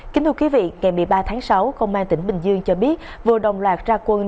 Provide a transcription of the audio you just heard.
kính thưa quý vị ngày một mươi ba tháng sáu công an tỉnh bình dương cho biết vừa đồng loạt ra quân